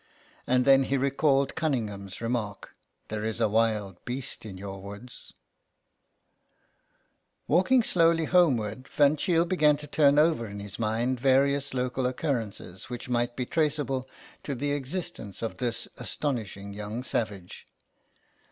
And then he recalled Cunningham's remark " There is a wild beast in your woods." 52 GABRIEL ERNEST Walking slowly homeward, Van Cheele began to turn over in his mind various local occurrences which might be traceable to the existence of this astonishing young savage.